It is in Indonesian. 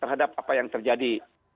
apa yang terjadi